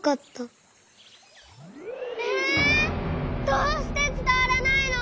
どうしてつたわらないの？